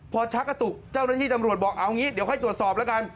พอชักกระตุกเจ้าหน้าที่ตำรวจบอกเอางี้เดี๋ยวค่อยตรวจสอบแล้วกัน